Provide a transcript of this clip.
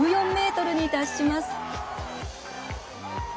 １４ｍに達します。